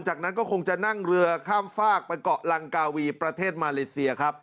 จากนั้นก็คงจะนั่งเรือข้ามฝากไปเกาะลังกาวีประเทศมาเลเซียครับ